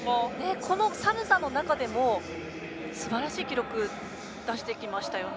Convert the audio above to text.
この寒さの中でもすばらしい記録出してきましたよね。